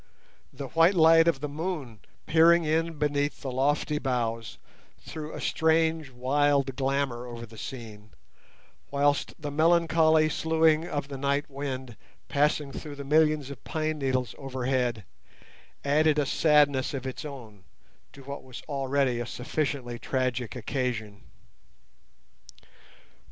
The white light of the moon peering in beneath the lofty boughs threw a strange wild glamour over the scene, whilst the melancholy soughing of the night wind passing through the millions of pine needles overhead added a sadness of its own to what was already a sufficiently tragic occasion.